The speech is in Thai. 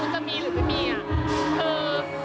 อยากจะมีลูกมาสักครั้งแล้ว